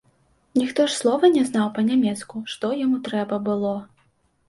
Ніхто ж слова не знаў па-нямецку, што яму трэба было.